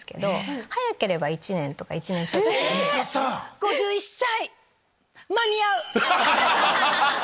５１歳！